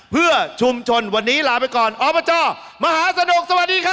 เพื่อชุมชนวันนี้ลาไปก่อนอบจมหาสนุกสวัสดีครับ